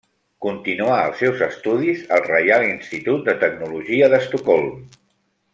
Continuà els seus estudis al Reial Institut de Tecnologia d'Estocolm.